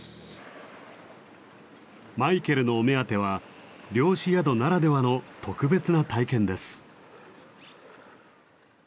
マイケルのお目当ては漁師宿ならではの特別な体験です。